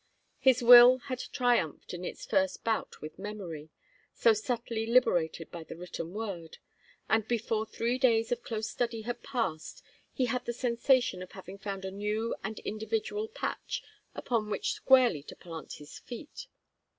His will had triumphed in its first bout with memory, so subtly liberated by the written word, and before three days of close study had passed he had the sensation of having found a new and individual patch upon which squarely to plant his feet.